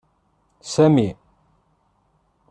Sami.